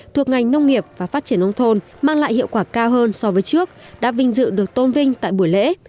thuộc ngành nông nghiệp và phát triển nông thôn mang lại hiệu quả cao hơn so với trước đã vinh dự được tôn vinh tại buổi lễ